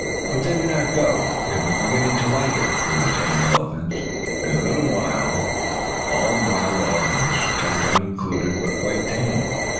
But they would not go. They were beginning to like it, with the tame elephants. In a little while all the wild elephants, Tum Tum included, were quite tame.